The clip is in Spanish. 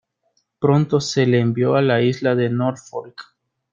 Pronto se le envió a la isla de Norfolk.